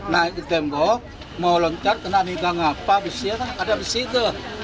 naik tembok mau lengkar kena migang apa ada besi itu